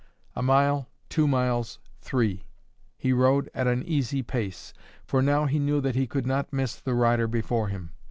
A mile, two miles, three; he rode at an easy pace, for now he knew that he could not miss the rider before him.